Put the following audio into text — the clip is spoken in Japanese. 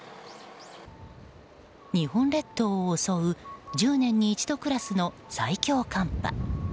日本列島を襲う１０年に一度クラスの最強寒波。